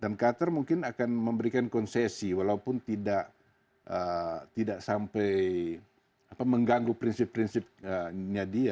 dan qatar mungkin akan memberikan konsesi walaupun tidak sampai mengganggu prinsip prinsipnya dia